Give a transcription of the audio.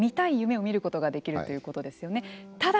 見たい夢を見ることができるということですよね。